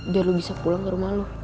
biar lo bisa pulang ke rumah lo